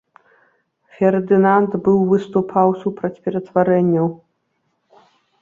Фердынанд быў выступаў супраць пераўтварэнняў.